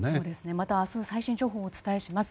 また明日、最新情報をお伝えします。